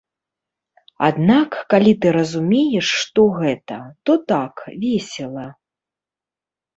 Аднак калі ты разумееш, што гэта, то так, весела.